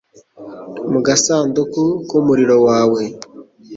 Mu gasanduku k'umuriro wawe